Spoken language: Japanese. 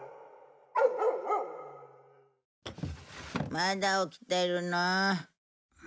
まだ起きてるの？